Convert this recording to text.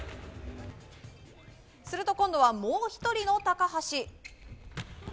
すると今度はもう１人の高橋。